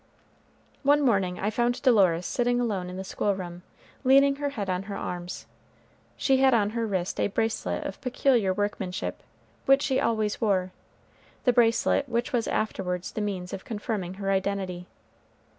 One morning I found Dolores sitting alone in the schoolroom, leaning her head on her arms. She had on her wrist a bracelet of peculiar workmanship, which she always wore, the bracelet which was afterwards the means of confirming her identity.